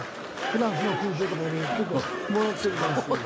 フランスの勲章とか俺結構もらってるから。